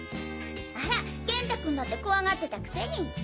あら元太君だって怖がってたくせに。